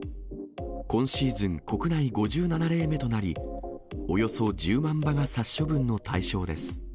今シーズン、国内５７例目となり、およそ１０万羽が殺処分の対象です。